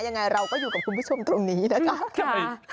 ยังไงเราก็อยู่กับคุณผู้ชมตรงนี้นะคะ